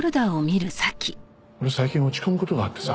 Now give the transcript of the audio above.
俺最近落ち込む事があってさ